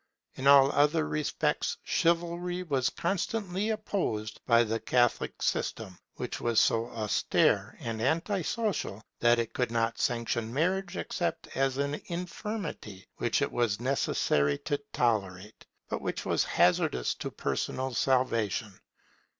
In all other respects Chivalry was constantly opposed by the Catholic system; which was so austere and anti social, that it could not sanction marriage except as an infirmity which it was necessary to tolerate, but which was hazardous to personal salvation.